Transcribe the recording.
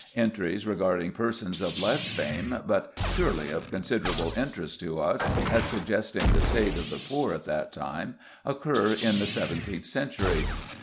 Entries regarding persons of less fame, but surely of considerable interest to us as suggesting the state of the poor at that time, occur in the seventeenth century.